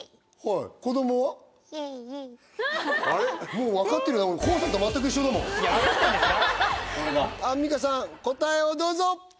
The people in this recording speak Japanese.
もう分かってるなアンミカさん答えをどうぞ！